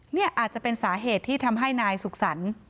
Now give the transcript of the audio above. นี่อาจจะเป็นสาเหตุที่ทำให้นายสุขสรรค์